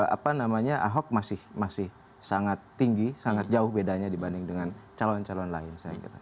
apa namanya ahok masih sangat tinggi sangat jauh bedanya dibanding dengan calon calon lain saya kira